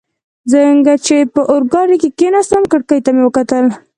څنګه چي په اورګاډي کي کښېناستم، کړکۍ ته مې وکتل.